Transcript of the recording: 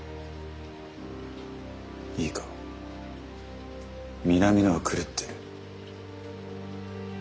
いいか南野は狂ってる。